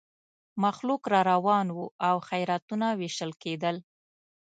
مخلوق را روان وو او خیراتونه وېشل کېدل.